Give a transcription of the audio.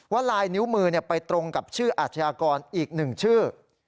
ลายนิ้วมือไปตรงกับชื่ออาชญากรอีก๑ชื่อ